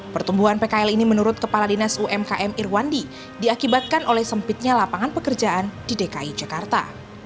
pertumbuhan pkl ini menurut kepala dinas umkm irwandi diakibatkan oleh sempitnya lapangan pekerjaan di dki jakarta